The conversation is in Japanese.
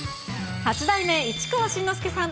八代目市川新之助さん